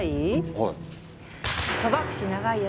はい。